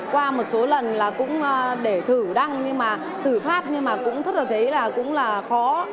qua một số lần là cũng để thử đăng nhưng mà thử pháp nhưng mà cũng rất là thấy là cũng là khó